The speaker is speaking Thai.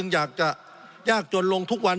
สงบจนจะตายหมดแล้วครับ